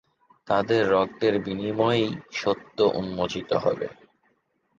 তাদের রক্তের বিনিময়েই সত্য উন্মোচিত হবে।